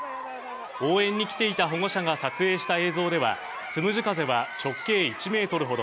応援に来ていた保護者が撮影した映像では、つむじ風は直径１メートルほど。